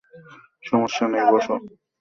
সমস্যা নেই, বসো।